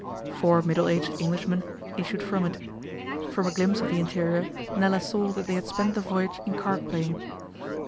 Four middle aged Englishmen issued from it. From a glimpse of the interior Nella saw that they had spent the voyage in card playing.